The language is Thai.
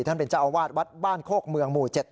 ท่านเป็นเจ้าอาวาสวัดบ้านโคกเมืองหมู่๗